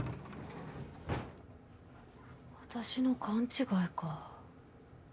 私の勘違いか。